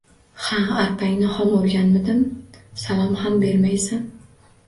Ha, arpangni xom o‘rganmidim, salom ham bermaysan?!